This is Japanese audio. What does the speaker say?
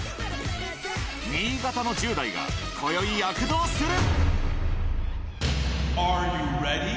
新潟の１０代が、こよい躍動する。